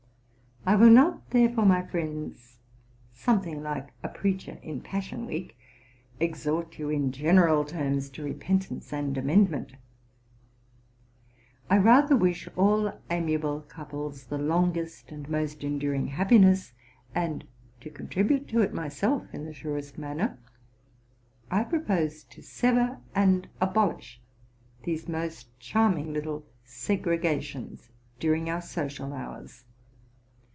I will not, therefore, my friends, something like a preacher in Passion Week, exhort you in general terms to repentance and amend ment: I rather wish all amiable couples the longest and most enduring happiness; and, to contribute to it myself in the surest manner, I propose to sever and abolish these most charming little 28 ens during our social hours.